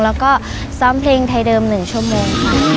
แล้วก็ซ้อมเพลงไทยเดิม๑ชั่วโมงค่ะ